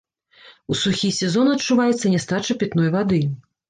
У сухі сезон адчуваецца нястача пітной вады.